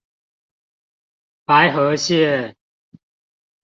白河線